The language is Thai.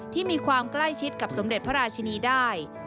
ที่มีความใกล้ชิดกับสมเด็จพระราชินีได้